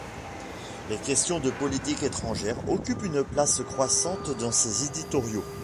Les questions de politique étrangère occupent une place croissante dans ses éditoriaux.